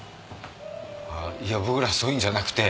あっいや僕らそういうんじゃなくて。